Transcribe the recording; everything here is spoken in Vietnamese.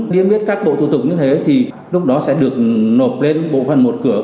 liên viết các bộ thủ tục như thế thì lúc đó sẽ được nộp lên bộ phần một cửa